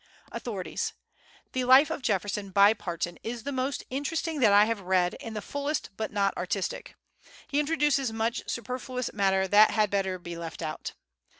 AUTHORITIES. The Life of Jefferson by Parton is the most interesting that I have read and the fullest, but not artistic. He introduces much superfluous matter that had better be left out.